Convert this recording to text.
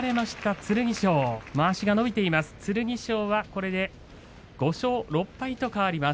剣翔は５勝６敗と変わります。